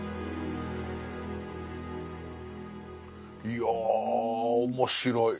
いや面白い。